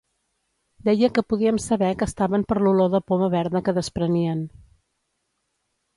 Deia que podíem saber que estaven per l'olor de poma verda que desprenien...